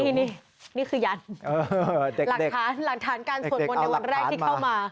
นี่นี่คือยันหลักฐานการสวดมนต์ในวันแรกที่เข้ามา